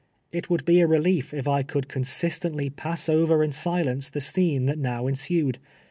It would be a relief if I could consistently pass over in silence the scene that now ensued.